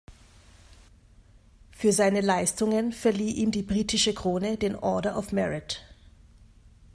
Für seine Leistungen verlieh ihm die britische Krone den Order of Merit.